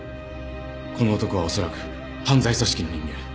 この男はおそらく犯罪組織の人間